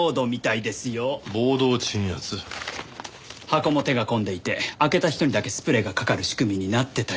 箱も手が込んでいて開けた人にだけスプレーがかかる仕組みになってたようで。